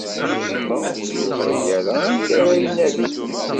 Yuba ur yeẓri ara anda ara inadi.